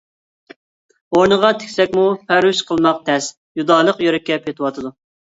ئورنىغا تىكسەكمۇ پەرۋىش قىلماق تەس، جۇدالىق يۈرەككە پېتىۋاتىدۇ.